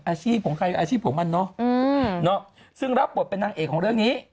อาชีพของใครอาชีพของมันเนอะซึ่งรับบทเป็นนางเอกของเรื่องนี้